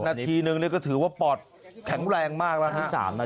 นาทีนึงก็ถือว่าปอดแข็งแรงมากแล้วฮะ